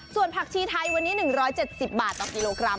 ส่วนผักชีไทยวันนี้๑๗๐บาทต่อกิโลกรัม